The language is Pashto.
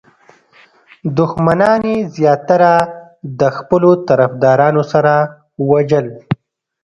دښمنان یې زیاتره د خپلو طرفدارانو سره وژل.